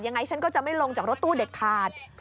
ฉันก็จะไม่ลงจากรถตู้เด็ดขาด